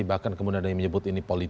bahkan kemudian ada yang menyebut ini politik